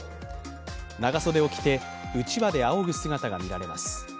長袖を着て、うちわであおぐ姿が見られます。